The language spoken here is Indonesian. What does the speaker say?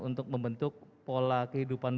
untuk membentuk pola kehidupan